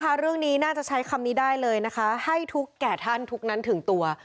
เรื่องนี้น่าจะใช้คำนี้ได้เลยนะคะให้ทุกแก่ท่านทุกนั้นถึงตัว